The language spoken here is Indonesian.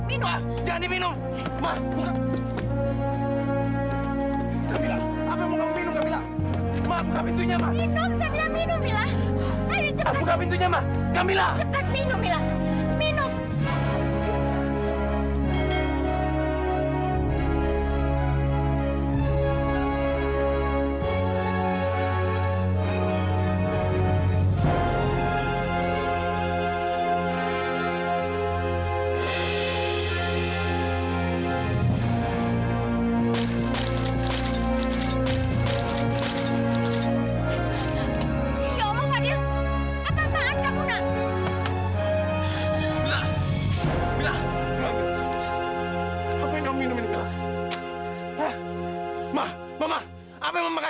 itu cuma pil untuk kesehatan wanita nak